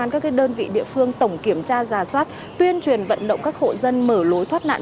an các cái đơn vị địa phương tổng kiểm tra rà soát tuyên truyền vận động các hộ dân mở nối thoát nạn